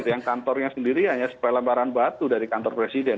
yang kantornya sendiri hanya supaya lembaran batu dari kantor presiden